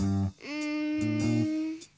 うん。